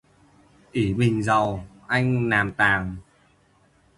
Ỷ mình giàu, anh làm tàng